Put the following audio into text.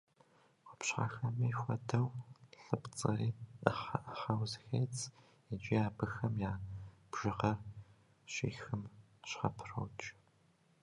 Къупщхьэхэми хуэдэу, лыпцӏэри ӏыхьэ-ӏыхьэу зэхедз, икӏи абыхэм я бжыгъэр щихым щхьэпрокӏ.